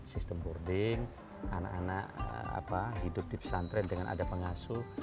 sistem boarding anak anak hidup di pesantren dengan ada pengasuh